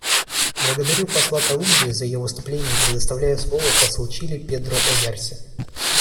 Благодарю посла Колумбии за ее выступление и предоставляю слово послу Чили Педро Ойярсе.